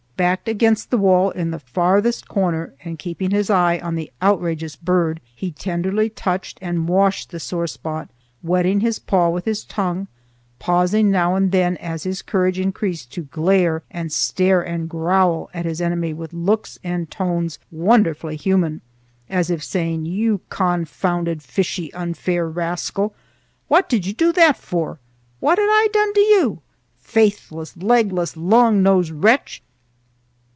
Backed against the wall in the farthest corner, and keeping his eye on the outrageous bird, he tenderly touched and washed the sore spot, wetting his paw with his tongue, pausing now and then as his courage increased to glare and stare and growl at his enemy with looks and tones wonderfully human, as if saying: "You confounded fishy, unfair rascal! What did you do that for? What had I done to you? Faithless, legless, long nosed wretch!"